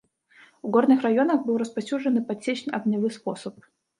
У горных раёнах быў распаўсюджаны падсечна-агнявы спосаб.